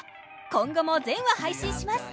今後も全話配信します